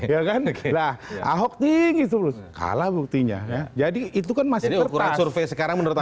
ya kan nah ahok tinggi terus kalah buktinya jadi itu kan masih kertas